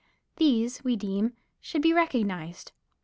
These, we deem, should be recognized.